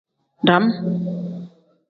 Dam.